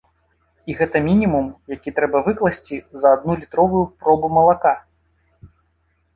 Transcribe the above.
І гэта мінімум, які трэба выкласці за адну літровую пробу малака.